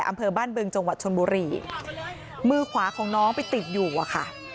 อำเภอบ้านบึงจังหวัดชนบุรีมือขวาของน้องไปติดอยู่อะค่ะ